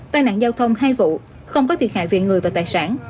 ba nạn giao thông hai vụ không có thiệt hại viện người và tài sản